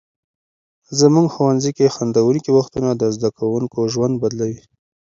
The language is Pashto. زموږ ښوونځي کې خندونکي وختونه د زده کوونکو ژوند بدلوي.